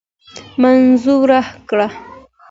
منظوره کړه.